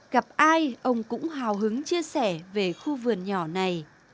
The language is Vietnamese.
gặp ai ông cũng hào hứng chia sẻ về khu vườn nhỏ này